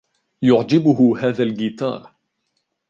يعجبه هذا الجيتار.